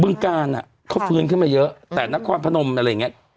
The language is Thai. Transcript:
ึงการอ่ะเขาฟื้นขึ้นมาเยอะแต่นครพนมอะไรอย่างเงี้ย